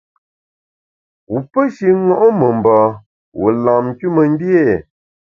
Wu pe shi ṅo’ memba, wu lam nkümengbié ?